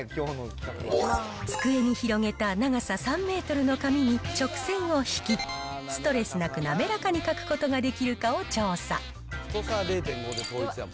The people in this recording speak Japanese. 机に広げた長さ３メートルの紙に直線を引き、ストレスなく滑らかに書くことができるかを調査。